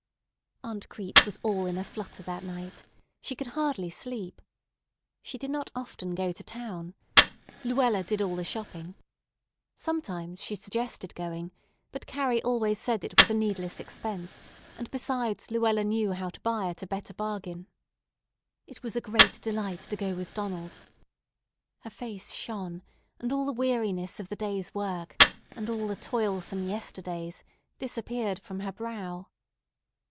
Aunt Crete was all in a flutter that night. She could hardly sleep. She did not often go to town. Luella did all the shopping. Sometimes she suggested going, but Carrie always said it was a needless expense, and, besides, Luella knew how to buy at a better bargain. It was a great delight to go with Donald. Her face shone, and all the weariness of the day's work, and all the toilsome yesterdays, disappeared from her brow.